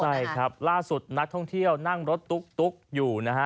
ใช่ครับล่าสุดนักท่องเที่ยวนั่งรถตุ๊กอยู่นะฮะ